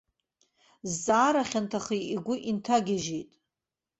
Зҵаара хьанҭаха игәы инҭагьежьит.